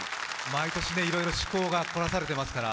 毎年いろいろ趣向が凝らされていますから。